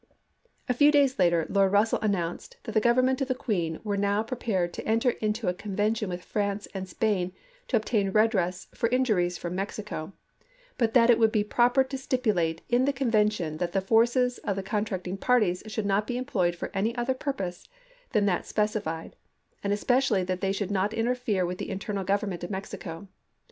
A few days later Lord Russell announced 1861. '' p 1 ^ that the Government of the Queen were now pre pared to enter into a convention with France and Spain to obtain redress for injuries from Mexico, but that it would be proper to stipulate in the conven tion that the forces of the contracting parties should not be employed for any other purpose than that specified, and especially that they should not interfere with the internal government of Mexico.